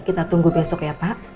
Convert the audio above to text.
kita tunggu besok ya pak